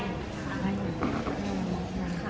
ถูกคิดก็อย่างนั้นนะคะ